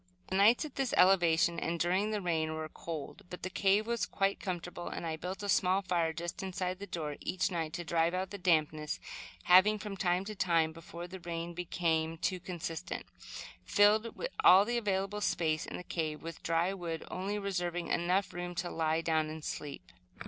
The nights, at this elevation, and during the rain, were cold, but the cave was quite comfortable, and I built a small fire just inside the door each night, to drive out the dampness; having, from time to time before the rain became too constant, filled all the available space in the cave with dry wood, only reserving enough room to lie down to sleep.